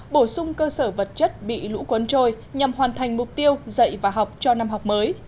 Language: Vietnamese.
bổ sung cơ sở vật chất bị lũ cuốn trôi nhằm hoàn thành mục tiêu dạy và học cho năm học mới